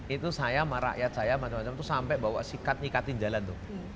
itu saya sama rakyat saya macam macam itu sampai bawa sikat nyikatin jalan tuh